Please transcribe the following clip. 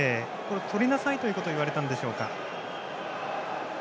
とりなさいということを言われたんでしょうか。